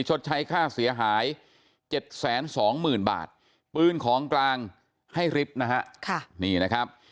ชดใช้ค่าเสียหาย๗๒๐๐๐บาทปืนของกลางให้ฤทธิ์นะฮะนี่นะครับ